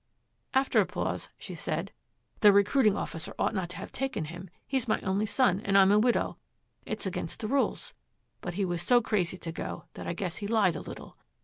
After a pause, she said, 'The recruiting officer ought not to have taken him; he's my only son and I'm a widow; it's against the rules, but he was so crazy to go that I guess he lied a little.